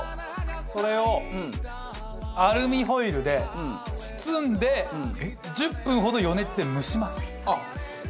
それをアルミホイルで包んで１０分ほど余熱で蒸します。